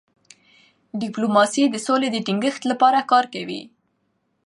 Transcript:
ډيپلوماسي د سولې د ټینګښت لپاره کار کوي.